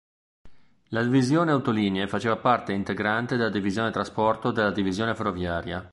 La divisione autolinee faceva parte integrante della "divisione trasporto" della divisione ferroviaria.